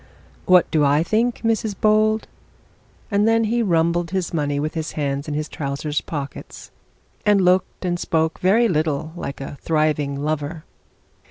'What do I think, Mrs Bold?' and then he rumbled his money with his hand in his trousers pockets, and looked and spoke very little like a thriving lover.